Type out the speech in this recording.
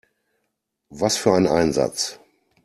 Was für ein Einsatz!